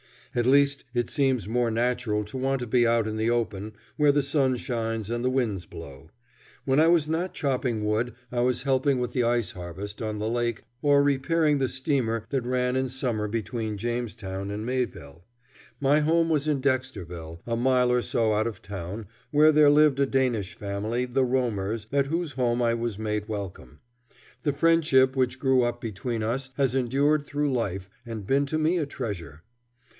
At least it seems more natural to want to be out in the open where the sun shines and the winds blow. When I was not chopping wood I was helping with the ice harvest on the lake or repairing the steamer that ran in summer between Jamestown and Mayville. My home was in Dexterville, a mile or so out of town, where there lived a Danish family, the Romers, at whose home I was made welcome. The friendship which grew up between us has endured through life and been to me a treasure.